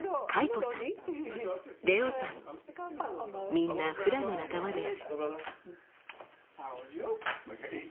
みんなフラの仲間です。